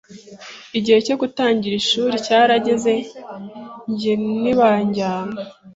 Igihe cyo gutangira ishuri cyarageze njye ntibanjyana